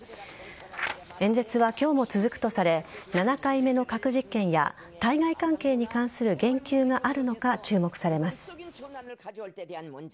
演説は今日も続くとされ７回目の核実験や対外関係に関する言及があるのか注目されます。